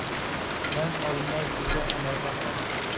مەن ئالما جۈزە ئانارغا ئامراق